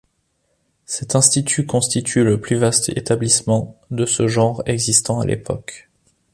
Cet Institut constitue le plus vaste établissement de ce genre existant à l'époque.